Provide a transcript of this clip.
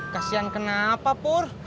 kasian kenapa pur